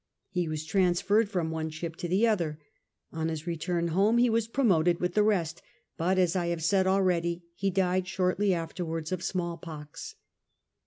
He was transferred from one ship to the other. On his return home ho was pro moted with the rest, but, as I have said already, he died shortly afterwards of small[)Ox.